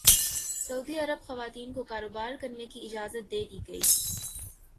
سعودی عرب خواتین کو کاروبار کرنے کی اجازت دے دی گئی